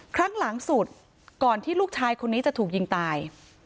ครั้งหลังสุดก่อนที่ลูกชายคนนี้จะถูกยิงตาย